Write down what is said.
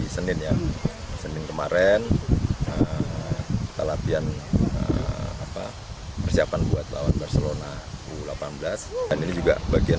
senin ya senin kemarin kita latihan apa persiapan buat lawan barcelona u delapan belas dan ini juga bagian